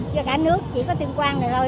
cho cả nước chỉ có tuyên quang này thôi